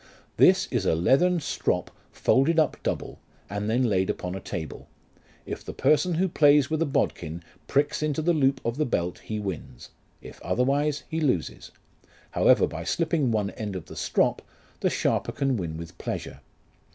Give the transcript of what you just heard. This is a leathern strop folded up double, and then laid upon a table ; if the person who plays with a bodkin pricks into the loop of the belt he wins ; if otherwise he loses. However by slipping one end of the strop, the sharper can win with pleasure.